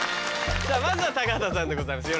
まずは高畑さんでございます。